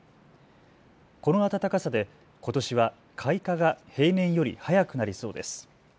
この暖かさでことしは開花が平年より早くなりそうです。